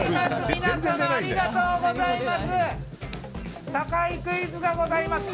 皆様、ありがとうございます。